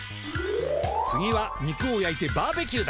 つぎは肉をやいてバーベキューだ。